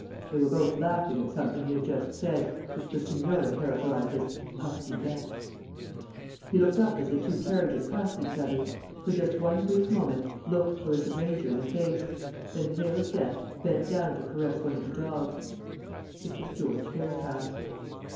They were both laughing at something he had just said, which the Senora characterised as "pas si bête." He looked up as the two carriages passed each other; for just one brief moment looked Clarissa Granger in the face; then, pale as death, bent down to caress one of the dogs. It was George Fairfax.